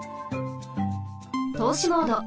とうしモード。